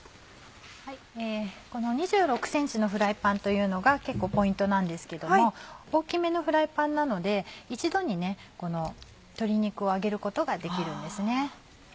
この２６ｃｍのフライパンというのが結構ポイントなんですけども大きめのフライパンなので一度に鶏肉を揚げることができるんですね。